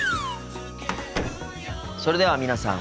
それでは皆さん